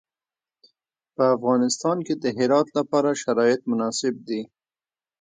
په افغانستان کې د هرات لپاره شرایط مناسب دي.